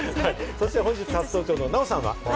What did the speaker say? そして本日初登場のナヲさんは？